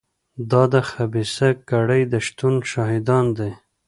دا د خبیثه کړۍ د شتون شاهدان دي.